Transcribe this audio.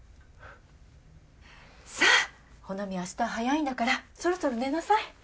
さあ穂波明日早いんだからそろそろ寝なさい。